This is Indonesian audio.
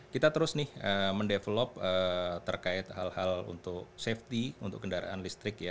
kita terus nih mendevelop terkait hal hal untuk safety untuk kendaraan listrik ya